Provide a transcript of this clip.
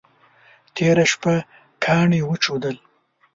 تېره شپه ګاڼي وچودل.